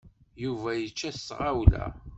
Yuba yečča s tɣawla